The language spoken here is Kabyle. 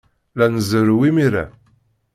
La nzerrew imir-a.